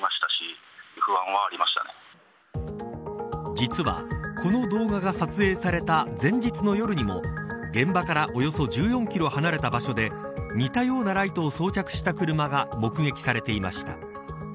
実は、この動画が撮影された前日の夜にも現場からおよそ１４キロ離れた場所で似たようなライトを装着した車が目撃されていました。